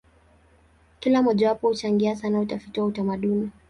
Kila mojawapo huchangia sana utafiti wa utamaduni.